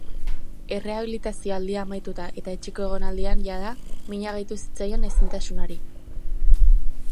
Errehabilitazio aldia amaituta eta etxeko egonaldian, jada, mina gehitu zitzaion ezintasunari.